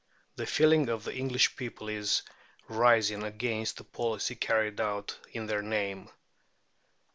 The feeling of the English people is rising against the policy carried out in their name.